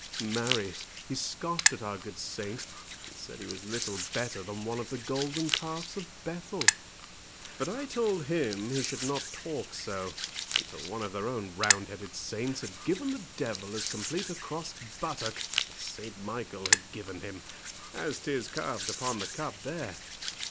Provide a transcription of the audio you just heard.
"Marry, he scoffed at our good saint, and said he was little better than one of the golden calves of Bethel. But I told him he should not talk so, until one of their own roundheaded saints had given the devil as complete a cross buttock as Saint Michael had given him, as 'tis carved upon the cup there.